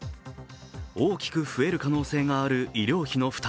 大きく増える可能性がある医療費の負担。